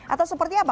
atau seperti apa